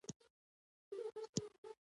ازاد تجارت کولای شي.